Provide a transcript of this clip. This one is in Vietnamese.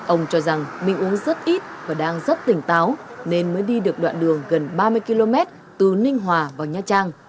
ông cho rằng mình uống rất ít và đang rất tỉnh táo nên mới đi được đoạn đường gần ba mươi km từ ninh hòa vào nha trang